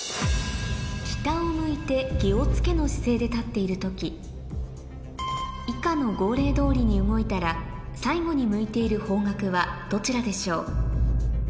北を向いて気を付けの姿勢で立っている時以下の号令通りに動いたら最後に向いている方角はどちらでしょう？